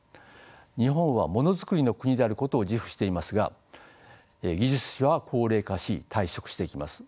日本はモノづくりの国であることを自負していますが技術者は高齢化し退職していきます。